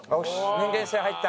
人間性入った。